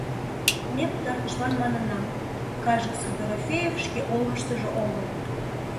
Ме пытартышлан манына: «Кажется, Дорофеев шке олмыштыжо огыл.